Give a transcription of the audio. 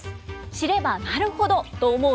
知ればなるほどと思う